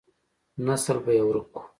نسل به يې ورک کو.